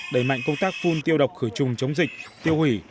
đẩy mạnh công tác phun tiêu độc khử trùng chống dịch tiêu hủy